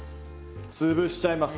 潰しちゃいます。